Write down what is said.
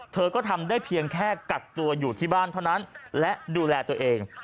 เธอก็ทำได้เพียงแค่กักตัวอยู่ที่บ้านเท่านั้นและดูแลตัวเอง